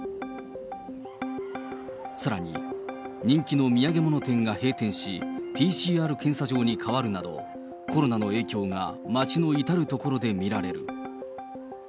さらに人気の土産物店が閉店し、ＰＣＲ検査場に変わるなど、コロナの影響が街の至る所に見られる。